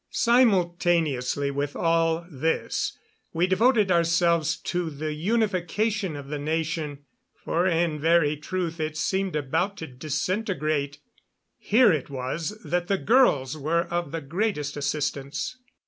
Simultaneously with all this, we devoted ourselves to the unification of the nation, for in very truth it seemed about to disintegrate. Here it was that the girls were of the greatest assistance.